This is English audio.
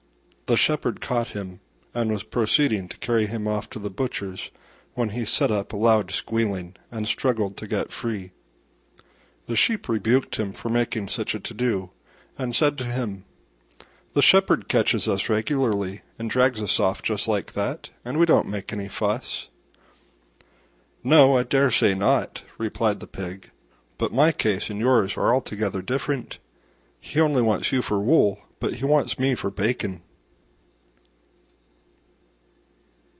The shepherd caught him, and was proceeding to carry him off to the butcher's when he set up a loud squealing and struggled to get free. The Sheep rebuked him for making such a to do, and said to him, "The shepherd catches us regularly and drags us off just like that, and we don't make any fuss." "No, I dare say not," replied the Pig, "but my case and yours are altogether different: he only wants you for wool, but he wants me for bacon."